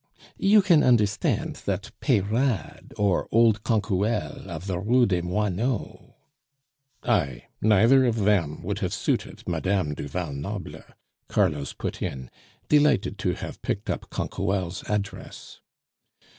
"You can understand that Peyrade, or old Canquoelle of the Rue des Moineaux " "Ay, neither of them would have suited Madame du Val Noble," Carlos put in, delighted to have picked up Canquoelle's address.